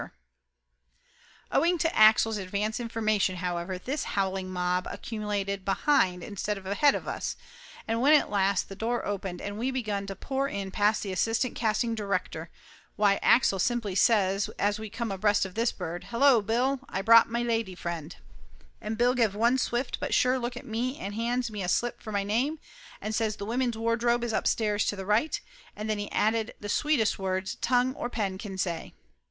Laughter Limited 133 Owing to Axel's advance information, however, this howling mob accumulated behind instead of ahead of us, and when at last the door opened, and we begun to pour in past the assistant casting director, why Axel simply says as we come abreast of this bird "Hello, Bill, Aye brought may lady friend," and Bill give one swift but sure look at me and hands me a slip for my name and says the women's wardrobe is upstairs to the right, and then he added the sweetest words tongue or pen can say.